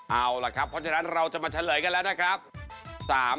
เอาล่ะครับเพราะฉะนั้นเราจะมาเฉลยกันแล้วนะครับ